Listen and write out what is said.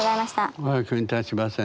お役に立ちませんで。